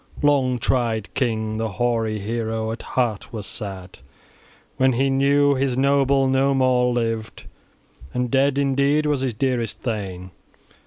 Long tried king, the hoary hero, at heart was sad when he knew his noble no more lived, and dead indeed was his dearest thane.